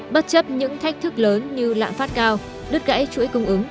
bất chấp những thách thức lớn như lạm phát cao đứt gãy chuỗi cung ứng